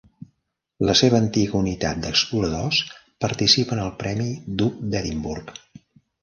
La seva antiga unitat d'exploradors participa en el Premi Duc d'Edimburg.